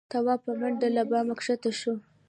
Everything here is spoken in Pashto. تواب په منډه له بامه کښه شو.